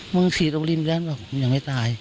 มึงสีตรงริมแล้วยังไม่ตาย